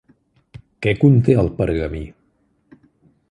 Què conté el pergamí?